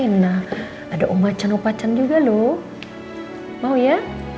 kena ada umacan upacan juga lu mau ya